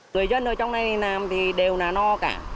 người dân ở trong đây làm thì đều là no cả